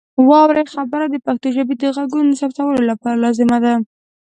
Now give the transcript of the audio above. واورئ برخه د پښتو ژبې د غږونو د ثبتولو لپاره لازمه ده.